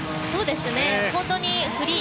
本当にフリー